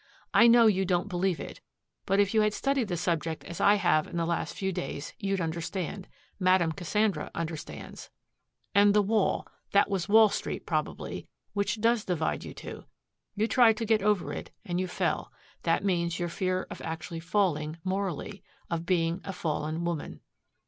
I know you don't believe it. But if you had studied the subject as I have in the last few days you'd understand. Madame Cassandra understands. "And the wall. That was Wall Street, probably, which does divide you two. You tried to get over it and you fell. That means your fear of actually falling, morally, of being a fallen woman."